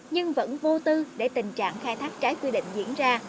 nhưng vẫn vô tư để tình trạng khai thác trái quy định diễn ra